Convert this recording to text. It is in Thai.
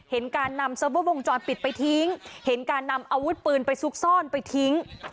เห็นการนำเซิร์ฟเวอร์วงจรปิดไปทิ้งเห็นการนำอาวุธปืนไปซุกซ่อนไปทิ้ง